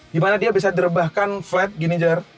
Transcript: dimana dia bisa direbahkan flat gini jar